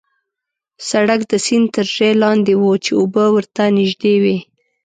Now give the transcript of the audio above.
سړک د سیند تر ژۍ لاندې وو، چې اوبه ورته نژدې وې.